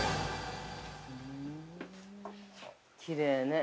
◆きれいね。